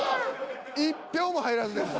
１票も入らずです。